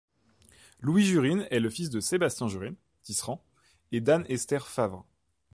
Louis Jurine est le fils de Sébastien Jurine, tisserand, et d'Anne-Esther Favre.